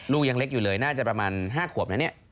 ลูกยังเล็กอยู่เลยน่าจะประมาณ๕ขวบนะเนี่ย